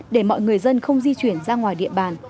để mọi người dân không di chuyển ra ngoài địa bàn